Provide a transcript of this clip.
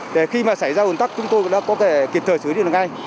để khi xảy ra ướn tắc chúng tôi có thể kịp thời xử lý được ngay